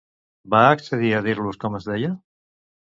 Va accedir a dir-los com es deia?